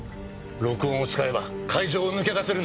録音を使えば会場を抜け出せるんです。